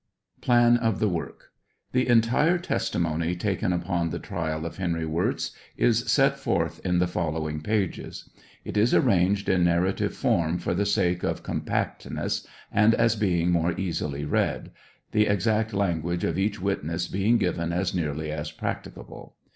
TRIAL OF HENRY WIBZ. PLA.\ OF THE WORK. The entire testimony taken upon the trial of Henry Wirz is set forth io the following pages. It is arranged in narrative form for the sake of compactness and as being more easily read, the exact language of each witness being given as nearly as practicable.